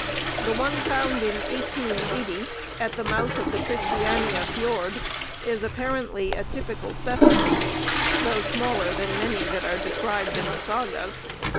The one found in 1880 at the mouth of the Christiania fjord is apparently a typical specimen, though smaller than many that are described in the sagas.